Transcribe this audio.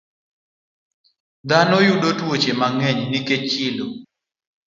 Dhano yudo tuoche mang'eny nikech chilo.